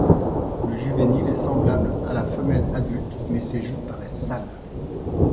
Le juvénile est semblable à la femelle adulte mais ses joues paraissent sales.